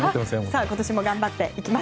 今年も頑張っていきます。